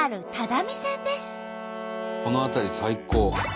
この辺り最高。